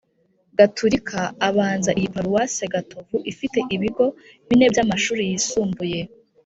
gaturika abanza iyi paruwasi gatovu ifite ibigo bineby’amashuri yisumbuye